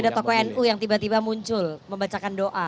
ada tokoh nu yang tiba tiba muncul membacakan doa